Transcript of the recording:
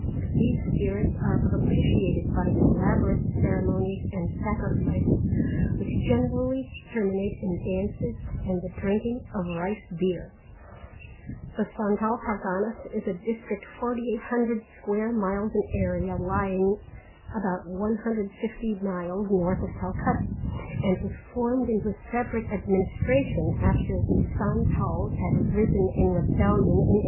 These spirits are propitiated by elaborate ceremonies and sacrifices which generally terminate in dances, and the drinking of rice beer. The Santal Parganas is a district 4800 sq. miles in area, lying about 150 miles north of Calcutta, and was formed into a separate administration after the Santals had risen in rebellion in 1856.